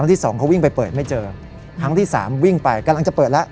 ที่สองเขาวิ่งไปเปิดไม่เจอครั้งที่สามวิ่งไปกำลังจะเปิดแล้ว